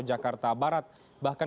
jakarta barat bahkan